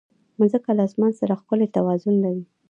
مځکه له اسمان سره ښکلی توازن لري.